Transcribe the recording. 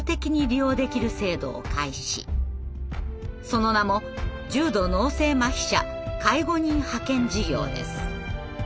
その名も「重度脳性麻痺者介護人派遣事業」です。